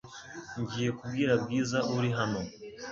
Ngiye kubwira Bwiza uri hano .